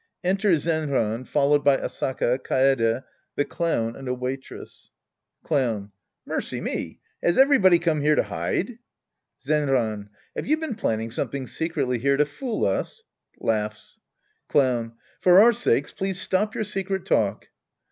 {Enter Zenran, followed by Asaka, Kaede, the Clown and a Waitress^ Clown. Mercy me ! Has everybody come here to hide ? Zenraji. Have you been planning sometHng secretly here to fool us ? {Laughs^ Clown. For our sakes, please stop your secret talk.